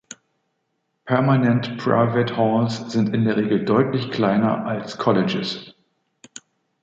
Permanent Private Halls sind in der Regel deutlich kleiner als Colleges.